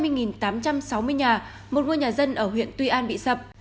một người nhà dân ở huyện tuy an bị sập